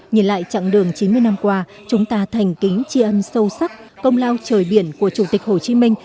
nhìn lại chặng đường chín mươi năm qua chúng ta thành kính tri ân sâu sắc công lao trời biển của chủ tịch hồ chí minh